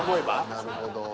なるほど。